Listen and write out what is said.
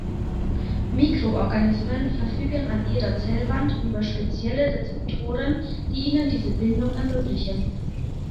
Mikroorganismen verfügen an ihrer Zellwand über spezielle Rezeptoren, die ihnen diese Bindung ermöglichen.